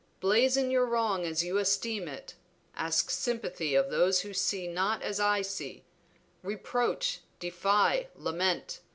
Blazon your wrong as you esteem it; ask sympathy of those who see not as I see; reproach, defy, lament.